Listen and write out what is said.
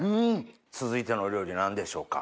続いてのお料理は何でしょうか？